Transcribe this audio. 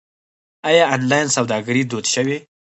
آیا آنلاین سوداګري دود شوې؟